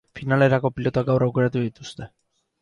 Finalerako pilotak gaur aukeratu dituzte.